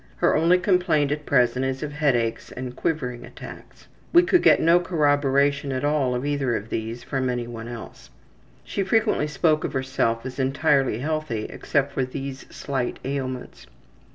Her only complaint at present is of headaches and ``quivering'' attacks. (We could get no corroboration at all of either of these from any one else.) She frequently spoke of herself as entirely healthy except for these slight ailments.